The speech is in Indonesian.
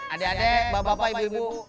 adik adik bapak bapak ibu ibu